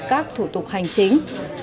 các thủ tục hành chính